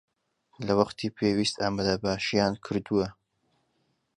لە وەختی پێویست ئامادەباشییان کردووە